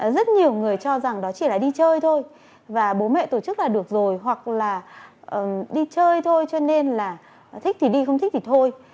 rất nhiều người cho rằng đó chỉ là đi chơi thôi và bố mẹ tổ chức là được rồi hoặc là đi chơi thôi cho nên là thích thì đi không thích thì thôi